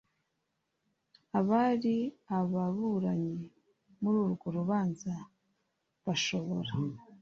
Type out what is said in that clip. abari ababuranyi muri urwo rubanza bashobora